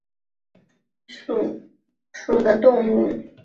沧源近溪蟹为溪蟹科近溪蟹属的动物。